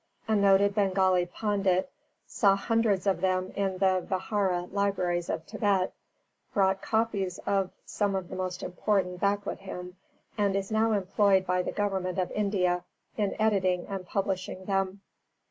a noted Bengali pandit, saw hundreds of them in the vihāra libraries of Tibet, brought copies of some of the most important back with him, and is now employed by the Government of India in editing and publishing them.